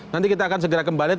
nanti kita akan segera kembali